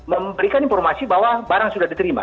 karena untuk memberikan informasi bahwa barang sudah diterima